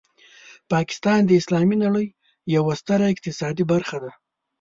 پاکستان د اسلامي نړۍ یوه ستره اقتصادي برخه ده.